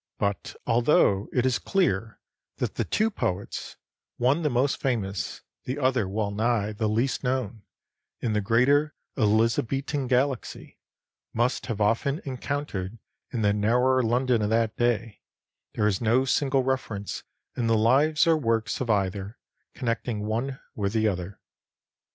But although it is clear that the two poets, one the most famous, the other well nigh the least known, in the greater Elizabethan galaxy, must have often encountered in the narrower London of that day, there is no single reference in the lives or works of either connecting one with the other.